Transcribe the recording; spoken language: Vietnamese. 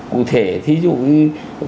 cụ thể ví dụ như